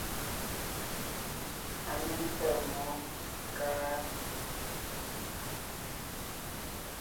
A ne mpfɛ́ɛ mmó, káá?